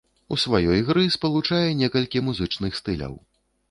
У сваёй гры спалучае некалькі музычных стыляў.